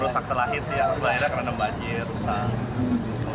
saya kerendam banjir rusak